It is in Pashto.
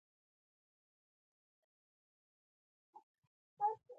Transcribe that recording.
🍌کېله